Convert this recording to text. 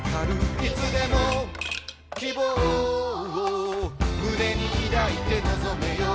「いつでも希望を胸にいだいて望めよ」